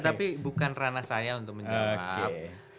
tapi bukan ranah saya untuk menjawab